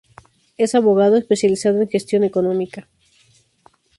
Es abogado especializado en gestión económica.